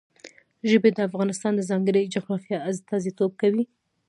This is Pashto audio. ژبې د افغانستان د ځانګړي جغرافیه استازیتوب کوي.